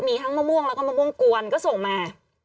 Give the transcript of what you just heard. มีทั้งมะม่วงแล้วก็มะม่วงกวนก็ส่งมา